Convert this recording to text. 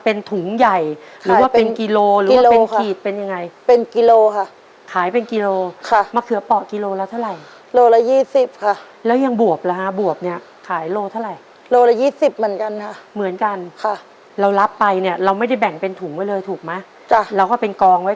เสร็จถุงใหญ่หรือว่าเป็นกิโลหรือว่าเป็นขีดเป็นยังไง